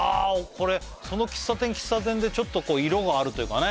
これその喫茶店喫茶店でちょっとこう色があるというかね